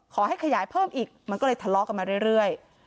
ขยายเพิ่มอีกมันก็เลยทะเลาะกันมาเรื่อย